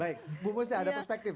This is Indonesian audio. jadi kita ada perspektif